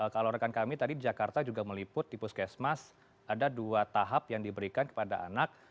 kalau rekan kami tadi di jakarta juga meliput di puskesmas ada dua tahap yang diberikan kepada anak